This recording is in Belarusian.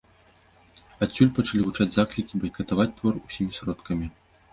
Адсюль пачалі гучаць заклікі байкатаваць твор усімі сродкамі.